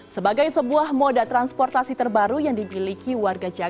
sebagai sebuah moda transportasi terbaru yang dipiliki warga jabodebek